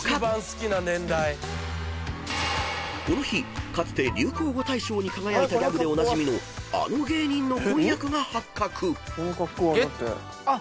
［この日かつて流行語大賞に輝いたギャグでおなじみのあの芸人の婚約が発覚］